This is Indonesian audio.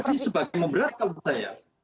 jadi sebagai memberat kalau menurut saya